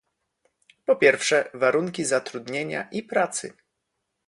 Po pierwsze, warunki zatrudnienia i pracy